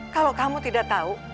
kalo kamu tidak tau